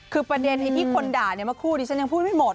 คือประเด็นที่คนด่าเมื่อกี้ฉันยังพูดไม่หมด